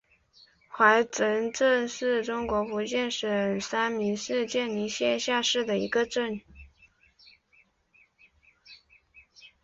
濉城镇是中国福建省三明市建宁县下辖的一个镇。